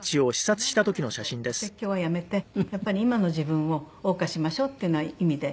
話は自慢話とお説教はやめてやっぱり今の自分を謳歌しましょうっていうような意味で。